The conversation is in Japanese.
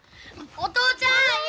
お父ちゃん嫌や。